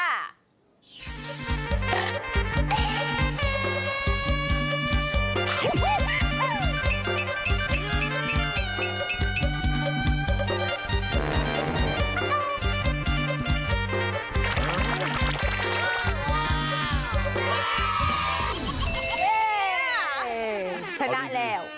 เย้ชนะแล้ว